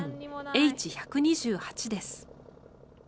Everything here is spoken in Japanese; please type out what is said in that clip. Ｈ１２８です。